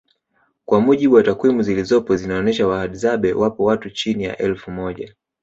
Kwa mujibu wa takwimu zilizopo zinaonesha wahadzabe wapo watu chini ya elfu moja